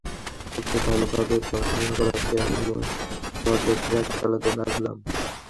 তোকে ভালোভাবে পড়াশোনা করাতে, আমি মদের ট্রাক চালাতে লাগলাম।